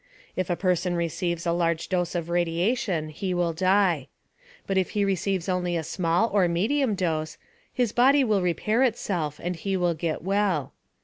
If a person receives a large dose of radiation, he will die. But if he receives only a small or medium dose, his body will repair itself and he will get well.